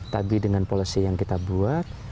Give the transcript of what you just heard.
tapi dengan policy yang kita buat